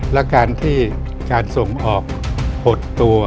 และการที่การส่งออกหดตัว